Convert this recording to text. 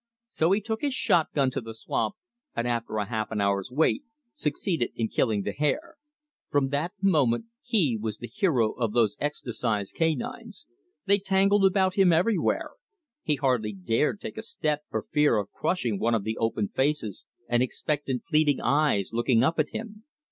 So he took his shotgun to the swamp, and after a half hour's wait, succeeded in killing the hare. From that moment he was the hero of those ecstacized canines. They tangled about him everywhere. He hardly dared take a step for fear of crushing one of the open faces and expectant, pleading eyes looking up at him.